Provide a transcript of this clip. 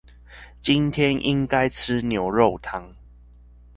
今天應該吃牛肉湯